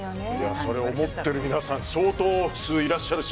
それを思っている皆さん相当数いらっしゃるし